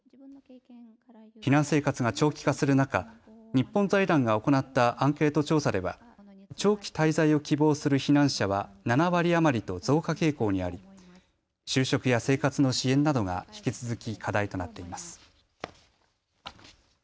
避難生活が長期化する中、日本財団が行ったアンケート調査では長期滞在を希望する避難者は７割余りと増加傾向にあり就職や生活の支援などが引き続き課題となっています。